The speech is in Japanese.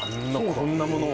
こんなものを？